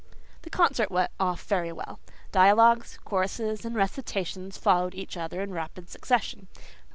The concert went off very well. Dialogues, choruses and recitations followed each other in rapid succession.